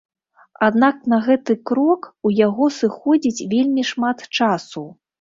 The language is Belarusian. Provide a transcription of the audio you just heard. Аднак на гэты крок у яго сыходзіць вельмі шмат часу.